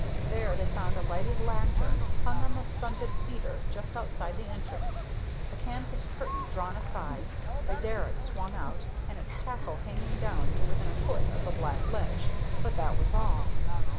There they found a lighted lantern hung on the stunted cedar just outside the entrance, the canvas curtain drawn aside, the derrick swung out, and its tackle hanging down to within a foot of the black ledge, but that was all.